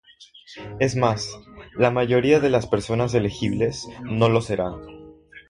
Es más, la mayoría de las personas elegibles no lo serán.